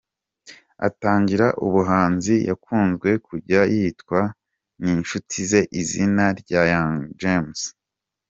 Atangira ubuhanzi yakunzwe kujya yitwa n’inshuti ze izina rya Young James.